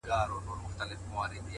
چلند د فکر عکس دی